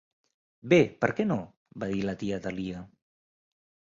"Bé, per què no?" va dir la tia Dahlia.